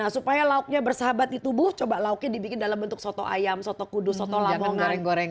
supaya lauknya bersahabat di tubuh coba lauknya dibikin dalam bentuk soto ayam soto kudus soto lampung goreng